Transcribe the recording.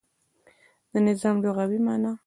د نظام لغوی معنا